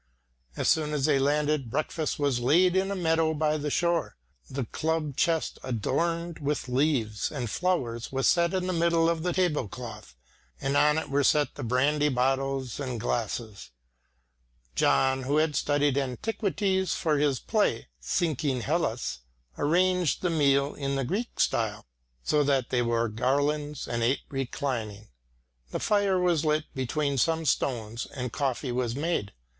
As soon as they landed, breakfast was laid in a meadow by the shore. The club chest adorned with leaves and flowers was set in the middle of the table cloth, and on it were set the brandy bottles and glasses. John, who had studied antiquities for his play, Sinking Hellas, arranged the meal in the Greek style, so that they wore garlands, and ate reclining. A fire was lit between some stones and coffee was made.